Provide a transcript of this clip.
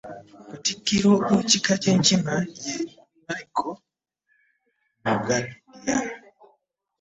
Katikkiro w'ekika ky'Enkima, ye Michael Mugadya.